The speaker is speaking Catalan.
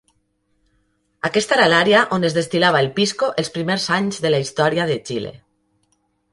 Aquesta era l'àrea on es destil·lava el pisco els primers anys de la història de Xile.